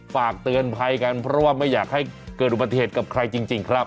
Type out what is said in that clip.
ฝากเตือนภัยกันเพราะว่าไม่อยากให้เกิดอุบัติเหตุกับใครจริงครับ